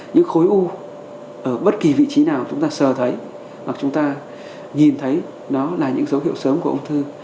những khối u ở bất kỳ vị trí nào chúng ta sờ thấy hoặc chúng ta nhìn thấy nó là những dấu hiệu sớm của ung thư